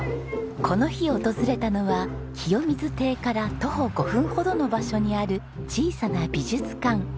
この日訪れたのはきよみず邸から徒歩５分ほどの場所にある小さな美術館。